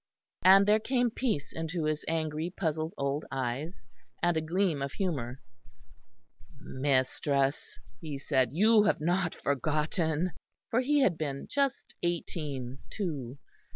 And there came peace into his angry, puzzled old eyes, and a gleam of humour. "Mistress," he said, "you have not forgotten." For he had been just eighteen, too.